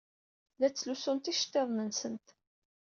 La ttlusunt iceḍḍiḍen-nsent.